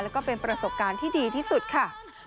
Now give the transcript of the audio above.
แล้วก็เป็นประสบการณ์ที่ดีที่สุดค่ะ